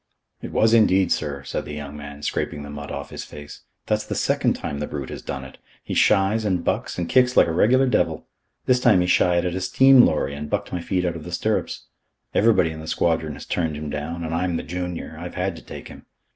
"It was indeed, sir," said the young man, scraping the mud off his face. "That's the second time the brute has done it. He shies and bucks and kicks like a regular devil. This time he shied at a steam lorry and bucked my feet out of the stirrups. Everybody in the squadron has turned him down, and I'm the junior, I've had to take him."